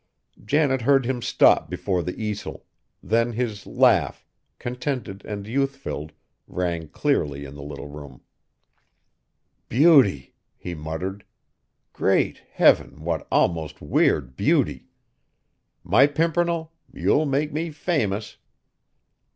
Janet heard him stop before the easel; then his laugh, contented and youth filled, rang clearly in the little room. "Beauty!" he muttered. "Great heaven, what almost weird beauty! My Pimpernel, you'll make me famous!"